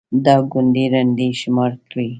دا كونـډې رنـډې شمار كړئ